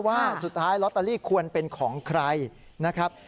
ว่าสุดท้ายลอตเตอรี่ควรเป็นของใครนะครับ